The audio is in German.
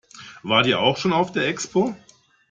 Wart ihr auch schon auf der Expo?